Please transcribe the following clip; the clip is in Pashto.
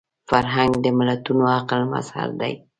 فرهنګ د ملتونو عقل مظهر دی